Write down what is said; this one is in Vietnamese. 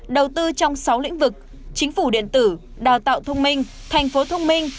đầu tư trong sáu lĩnh vực chính phủ điện tử đào tạo thông minh thành phố thông minh